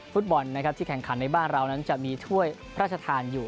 ฟุตบอลนะครับที่แข่งขันในบ้านเรานั้นจะมีถ้วยพระราชทานอยู่